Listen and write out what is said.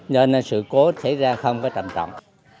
nên sự cố xảy ra không có trầm trọng